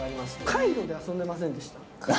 カイロで遊んでませんでした？